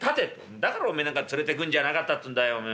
だからおめえなんか連れてくんじゃなかったつんだよ。